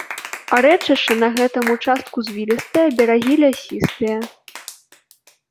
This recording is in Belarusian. Рэчышча на гэтым участку звілістае, берагі лясістыя.